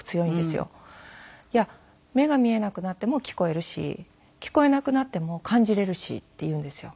「いや目が見えなくなっても聞こえるし聞こえなくなっても感じれるし」って言うんですよ。